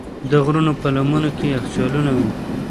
د غرونو په لمنو کې یخچالونه وي.